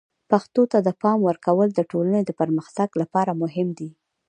پښتو ته د پام ورکول د ټولنې د پرمختګ لپاره مهم دي.